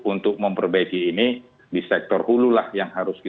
tentu untuk memperbaiki ini di sektor hulu lah yang paling penting